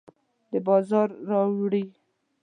د بازار راوړي